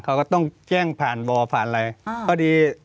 เขาก็ต้องแจ้งผ่านบ่อผ่านอะไร